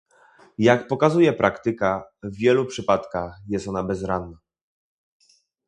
Jak pokazuje praktyka, w wielu przypadkach jest ona bezradna